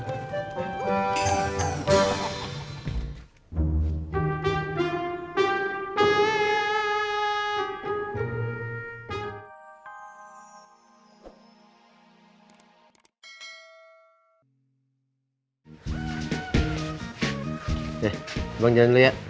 nih bang jalan dulu ya